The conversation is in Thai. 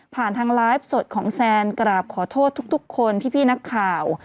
ทางไลฟ์สดของแซนกราบขอโทษทุกคนพี่นักข่าว